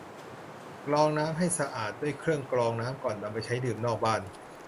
กรองน้ำให้สะอาดด้วยเครื่องกรองน้ำก่อนนำไปใช้ดื่มนอกบ้าน